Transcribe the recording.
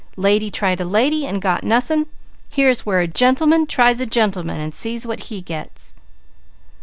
Lady tried a lady and got nothing. Here's where a gentleman tries a gentleman, and sees what he gets.'